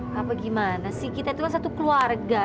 apa gimana sih kita itu kan satu keluarga